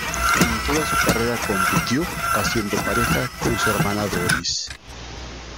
En toda su carrera compitió haciendo pareja con su hermana Doris.